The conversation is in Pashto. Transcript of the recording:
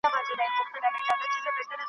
هسي نه چي دا یو ته په زړه خوږمن یې .